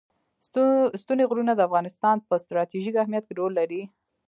ستوني غرونه د افغانستان په ستراتیژیک اهمیت کې رول لري.